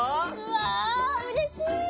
わあうれしい！